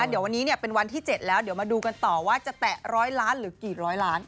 เดี๋ยววันนี้เป็นวันที่๗แล้วเดี๋ยวมาดูกันต่อว่าจะแตะ๑๐๐ล้านหรือกี่ร้อยล้าน